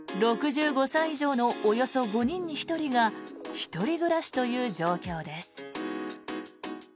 ６５歳以上のおよそ５人に１人が１人暮らしという状況です。